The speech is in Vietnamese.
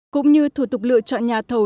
cũng như thủ tục lựa chọn nhà thầu